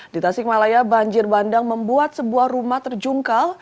di tasikmalaya banjir bandang membuat sebuah rumah terjungkal